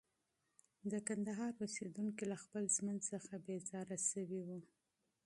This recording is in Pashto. د کندهار اوسېدونکي له خپل ژوند څخه بېزاره شوي وو.